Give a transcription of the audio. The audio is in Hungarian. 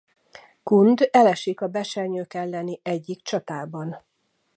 Kund elesik a besenyők elleni egyik csatában.